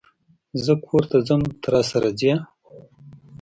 زه کور ته ځم ته، راسره ځئ؟